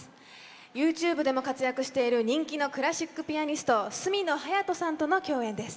ユーチューバーとして活躍している人気のクラシックピアニスト角野隼斗さんとの共演です。